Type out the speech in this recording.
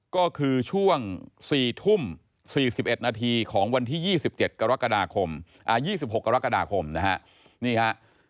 ก็คือช่วง๔ทุ่ม๔๑นาทีของวันที่๒๖กรกฎาคมนะฮะ